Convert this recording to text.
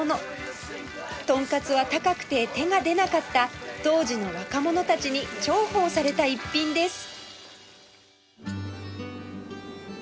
トンカツは高くて手が出なかった当時の若者たちに重宝された一品です